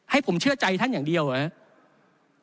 ให้ผมเชื่อใจท่านอย่างเดียวเหรอครับ